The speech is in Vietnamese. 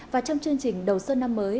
và trong chương trình đầu xuân năm mới